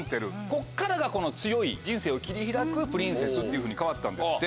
こっからが強い人生を切り開くプリンセスっていうふうに変わったんですって。